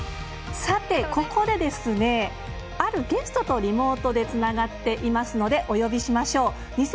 さて、ここであるゲストとリモートでつながっていますのでお呼びしましょう。